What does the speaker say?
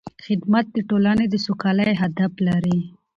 خدمت د ټولنې د سوکالۍ هدف لري.